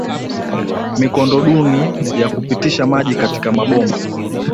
Mikondo duni ya kupitisha maji katika maboma